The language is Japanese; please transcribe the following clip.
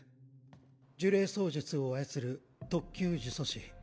呪霊操術を操る特級呪詛師。